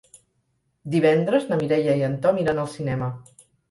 Divendres na Mireia i en Tom iran al cinema.